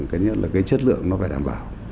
cái chất lượng nó phải đảm bảo